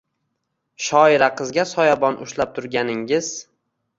shoira qizga soyabon ushlab turganingiz